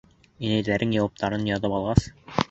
Инәйҙең яуаптарын яҙып алғас: